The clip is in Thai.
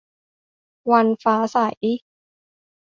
วันฟ้าใส